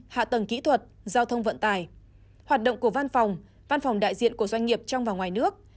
hạ tầng kỹ thuật giao thông vận tải hoạt động của văn phòng văn phòng đại diện của doanh nghiệp trong và ngoài nước